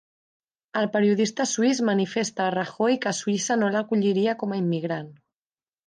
El periodista suís manifesta a Rajoy que Suïssa no l'acolliria com a immigrant